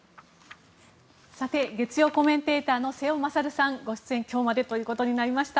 月曜コメンテーターの瀬尾傑さんご出演、今日までということになりました。